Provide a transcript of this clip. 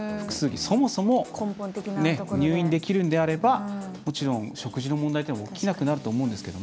そもそも、入院できるのであればもちろん、食事の問題というのは起きなくなると思うんですけど。